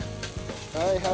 はいはい。